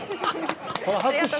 これ拍手。